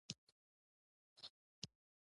منډه د ځان ساتنې لاره ده